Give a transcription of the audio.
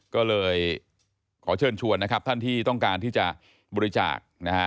ก็เลยขอเชิญชวนนะครับท่านที่ต้องการที่จะบริจาคนะฮะ